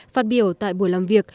phát biểu tại buổi làm việc